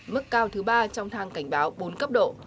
mức cao thứ ba trong thang cảnh báo bốn cấp độ